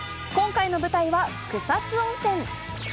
今回の舞台は草津温泉。